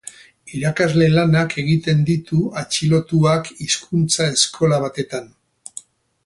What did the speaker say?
Irakasle lanak egiten ditu atxilotuak hizkuntza eskola batetan.